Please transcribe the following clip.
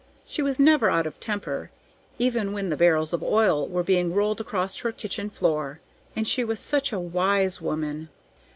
She was never out of temper, even when the barrels of oil were being rolled across her kitchen floor. And she was such a wise woman!